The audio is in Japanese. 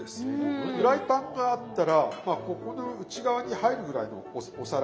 フライパンがあったらまあここの内側に入るぐらいのお皿。